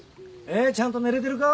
ちゃんと寝れてるか？